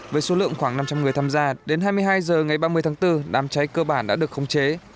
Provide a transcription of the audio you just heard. với số lượng khoảng năm trăm linh người tham gia đến hai mươi hai h ngày ba mươi tháng bốn đám cháy cơ bản đã được khống chế